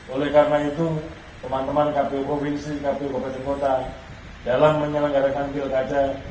oleh karena itu teman teman kpu provinsi kpu kota dalam menyelenggarakan pilkada